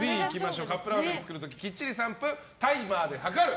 カップラーメンを作る時きっちり３分タイマーで計る。